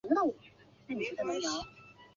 墨脱节肢蕨为水龙骨科节肢蕨属下的一个种。